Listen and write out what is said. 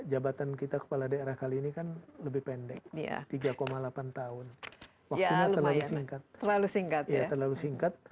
ya terlalu singkat